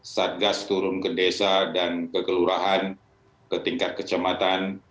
satgas turun ke desa dan kegelurahan ke tingkat kecamatan